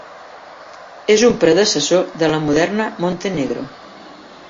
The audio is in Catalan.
És un predecessor de la moderna Montenegro.